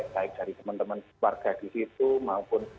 baik dari teman teman warga di situ maupun